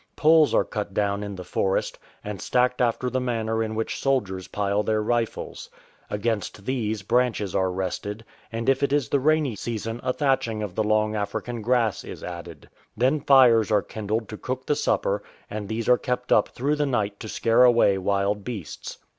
Poles are cut down in the forest, and stacked after the manner in which soldiei s pile their rifles. Against these, branches are rested, and if it is the rainy season a thatching of the long African grass is added. Then fires are kindled to cook the supper, and these are kept up through the night to scare away wild beasts.